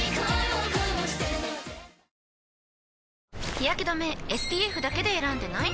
日やけ止めＳＰＦだけで選んでない？